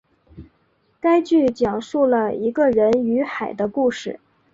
该剧讲述了一个人与海的故事。